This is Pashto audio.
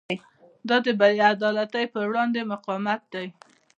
دا د بې عدالتۍ پر وړاندې مقاومت دی.